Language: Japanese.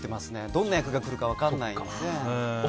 どんな役が来るか分からないので。